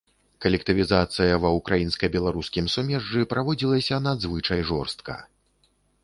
Калектывізацыя ва ўкраінска-беларускім сумежжы праводзілася надзвычай жорстка.